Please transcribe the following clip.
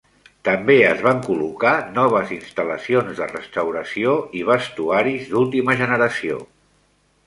També es van col·locar noves instal·lacions de restauració i vestuaris d'última generació.